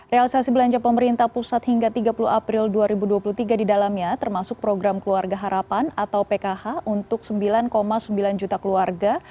realisasi belanja pemerintah pusat hingga tiga puluh april dua ribu dua puluh tiga di dalamnya termasuk program keluarga harapan atau pkh untuk sembilan sembilan juta keluarga